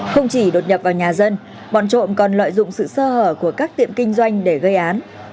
không chỉ đột nhập vào nhà dân bọn trộm còn lợi dụng sự sơ hở của các tiệm kinh doanh để gây án